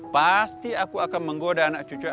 pasti aku akan menggoda anak cucu aku